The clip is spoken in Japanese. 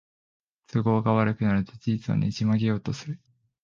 都合が悪くなると事実をねじ曲げようとする